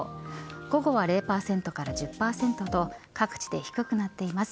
午後は０％から１０％と各地で低くなっています。